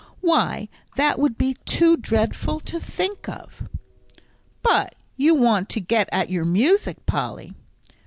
Why, that would be too dreadful to think of." "But you want to get at your music, Polly."